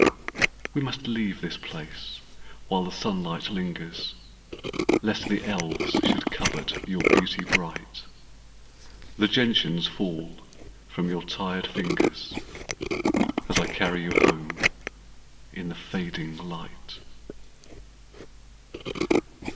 We must leave this place while the sunlight lingers Lest the elves should covet your beauty bright. The gentians fall from your tired fingers As I carry you home in the fading light.